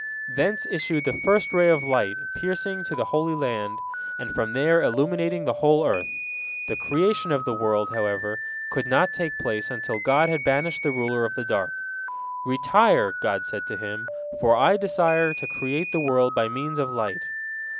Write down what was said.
Thence issued the first ray of light, piercing to the Holy Land, and from there illuminating the whole earth. The creation of the world, however, could not take place until God had banished the ruler of the dark. "Retire," God said to him, "for I desire to create the world by means of light."